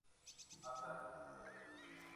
Akal pp.